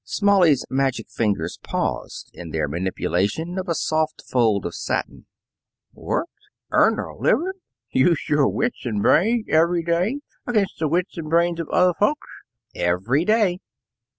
Smalley's magic fingers paused in their manipulation of a soft fold of satin. "Worked? Earned a living? Used your wits and brains every day against the wits and brains of other folks?" "Every day."